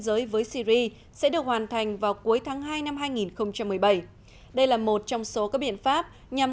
giới với syri sẽ được hoàn thành vào cuối tháng hai năm hai nghìn một mươi bảy đây là một trong số các biện pháp nhằm